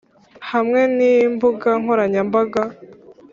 hamwe nimbuga nkoranyambaga